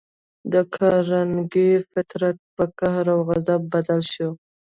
د کارنګي فطرت پر قهر او غضب بدل شو